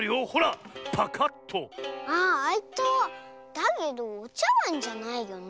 だけどおちゃわんじゃないよね。